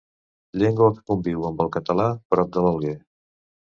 Llengua que conviu amb el català prop de L'Alguer.